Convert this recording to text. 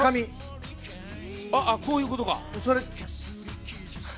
こういうことか。